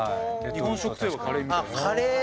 日本食といえばカレーみたいな。